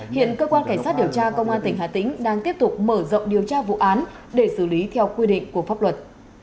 hiện cơ quan cảnh sát điều tra công an tỉnh hà tĩnh đang tiếp tục mở rộng điều tra vụ án để xử lý theo quy định của pháp luật